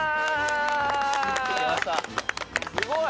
すごい。